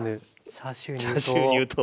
チャーシュー入刀。